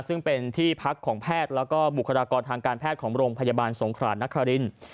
ซึ่งเป็นที่พักของแพทย์แล้วก็บุคลากรทางการแพทย์ของโรงพยาบาลสงครานนครินทร์